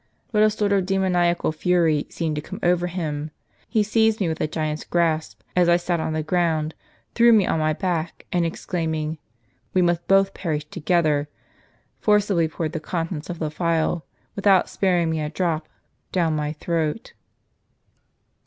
But a sort of demoniacal fury seemed to come over him ; he seized me with a giant's grasp, as I sat on the ground, threw me on my back, and exclaiming, ' We must both perish together,' forcibly poured the contents of the phial, without sparing me a drop, down niy throat.